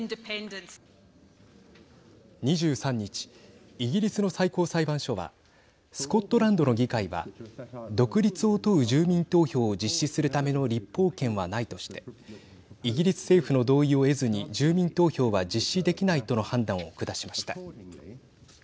２３日、イギリスの最高裁判所はスコットランドの議会は独立を問う住民投票を実施するための立法権はないとしてイギリス政府の同意を得ずに住民投票は実施できないとの判断を下しました。